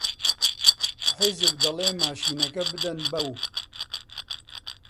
حیزب دەڵێ ماشێنەکە بدەن بەو